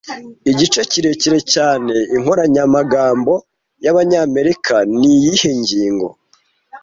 Igice kirekire cyane inkoranyamagambo y'Abanyamerika niyihe ngingo